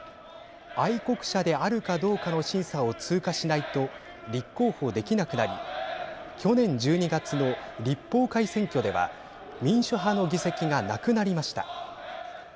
愛国者であるかどうかの審査を通過しないと立候補できなくなり去年１２月の立法会選挙では民主派の議席がなくなりました。